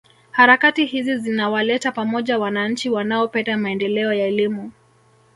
Harakati hizi zinawaleta pamoja wananchi wanaopenda maendeleo ya elimu